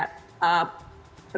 kita juga ada kayak